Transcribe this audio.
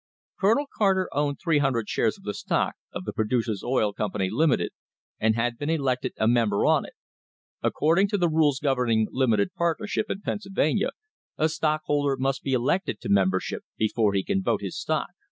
Colonel Carter owned 300 shares of the stock of the Producers' Oil Company, Limited, and had been elected a member on it; according to the rules governing limited partnership in Pennsylvania, a stockholder must be elected to membership before he can vote his stock.